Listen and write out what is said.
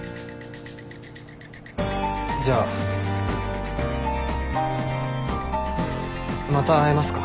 じゃあまた会えますか？